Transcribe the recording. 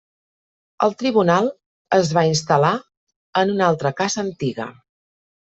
El tribunal es va instal·lar en una altra casa antiga.